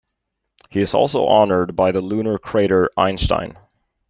He is also honored by the lunar crater "Einstein".